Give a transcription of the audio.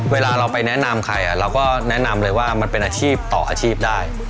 เวลาเราไปแนะนำใครเราก็แนะนำเลยว่ามันเป็นอาชีพต่ออาชีพได้